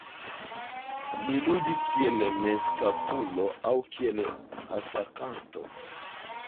Li ludis kiel mezkampulo aŭ kiel atakanto.